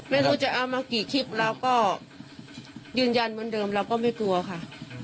ไม่รู้จะเอามากี่คลิปเราก็ยืนยันเหมือนเดิมเราก็ไม่กลัวค่ะ